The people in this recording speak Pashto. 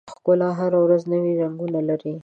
ښکلا هره ورځ نوي رنګونه لري.